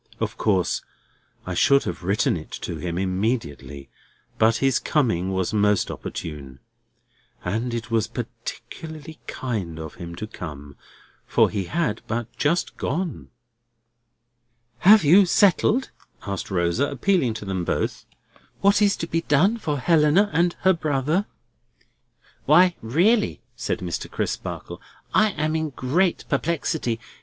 Of course I should have written it to him immediately; but his coming was most opportune. And it was particularly kind of him to come, for he had but just gone." "Have you settled," asked Rosa, appealing to them both, "what is to be done for Helena and her brother?" "Why really," said Mr. Crisparkle, "I am in great perplexity.